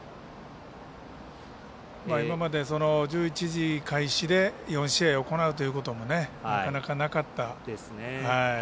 今まで、１１時開始で４試合行うということもなかなかなかったので。